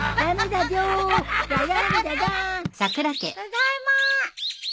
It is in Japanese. ただいま。